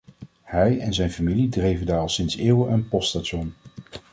Hij en zijn familie dreven daar al sinds eeuwen een poststation.